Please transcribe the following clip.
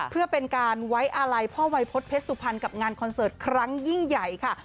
เพื่อเป็นการไว้อาลัยพ่อวัยพฤษเพชรสุพรรณกับงานคอนเสิร์ตครั้งยิ่งใหญ่ค่ะ